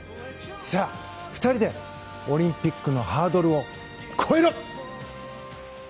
さあ、２人でオリンピックのハードルを越えろ！